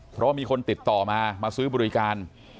เพราะว่ามีคนติดต่อมามาซื้อบริการ